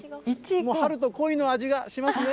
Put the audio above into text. もう春と恋の味がしますね。